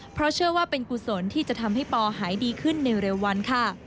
เพราะเชื่อว่าเป็นกุศลที่จะทำให้ปอหายดีขึ้นในเร็ววันค่ะ